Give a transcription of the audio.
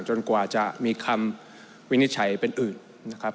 กว่าจะมีคำวินิจฉัยเป็นอื่นนะครับ